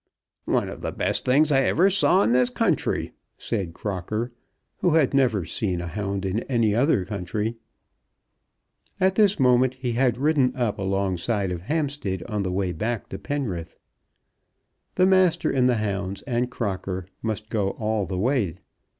"One of the best things I ever saw in this country," said Crocker, who had never seen a hound in any other country. At this moment he had ridden up alongside of Hampstead on the way back to Penrith. The Master and the hounds and Crocker must go all the way.